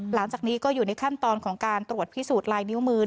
หลังจากนี้ก็อยู่ในขั้นตอนของการตรวจพิสูจน์ลายนิ้วมือ